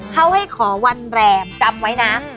เขาให้ขอวันแรมจำไว้นั้น